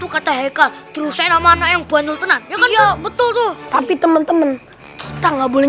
kata heka terus saya namanya yang kondol tenang betul tuh tapi temen temen kita nggak boleh